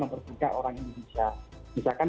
memperbuka orang indonesia misalkan